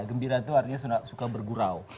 gembira itu artinya suka bergurau